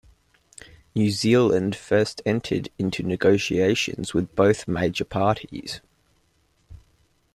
New Zealand First entered into negotiations with both major parties.